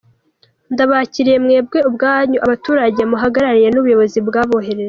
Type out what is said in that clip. Ndabakiriye mwebwe ubwanyu, abaturage muhagarariye n’ubuyobozi bwabohereje.